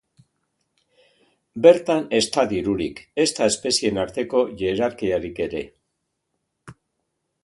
Bertan ez da dirurik, ezta espezieen arteko hierarkiarik ere.